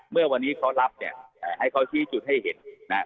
เมื่อวันนี้เขารับเนี่ยให้เขาชี้จุดให้เห็นนะครับ